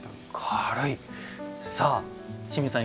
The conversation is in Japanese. さあ清水さん